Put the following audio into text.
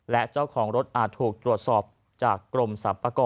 และเจ้าของรถอาจถูกตรวจสอบจากกรมสรรพากร